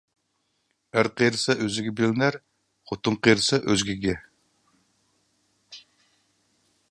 ئەر قېرىسا ئۆزىگە بىلىنەر، خوتۇن قېرىسا ئۆزگىگە.